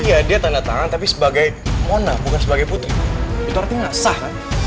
iya dia tanda tangan tapi sebagai mona bukan sebagai putri itu artinya nggak sah kan